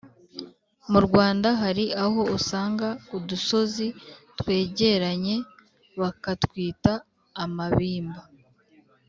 Mu Rwanda hari aho usanga udusozi twegeranye bakatwita amabimba